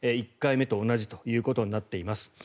１回目と同じということになっています。